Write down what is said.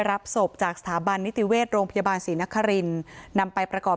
รับศพจากสถาบันนิติเวชโรงพยาบาลศรีนครินนำไปประกอบ